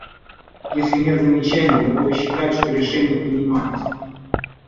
Если нет замечаний, я буду считать, что решение принимается.